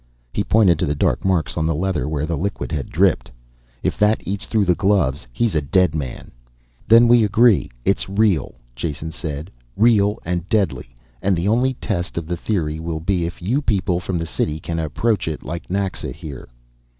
He pointed to the dark marks on the leather where the liquid had dripped. "If that eats through the gloves, he's a dead man." "Then we agree it's real," Jason said. "Real and deadly, and the only test of the theory will be if you people from the city can approach it like Naxa here."